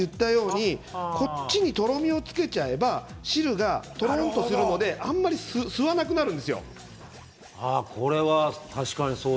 こっちに、とろみがつけちゃえば汁がとろっとするのであんまり吸わなくなるんですよね。